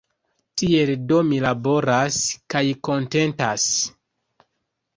Tiel do mi laboras – kaj kontentas!